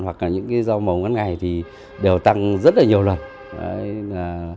hoặc là những cái rau màu ngắn ngày thì đều tăng rất là nhiều lần